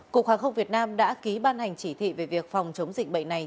cục hàng không việt nam đã ký ban hành chỉ thị về việc phòng chống dịch bệnh này